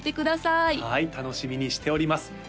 はい楽しみにしております